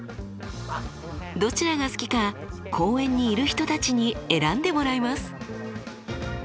どちらが好きか公園にいる人たちに選んでもらいます。